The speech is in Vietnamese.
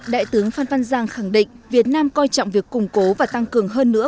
đại tướng phan văn giang khẳng định việt nam coi trọng việc củng cố và tăng cường hơn nữa